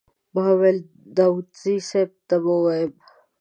ما ویل داوودزي صیب ته به ووایم.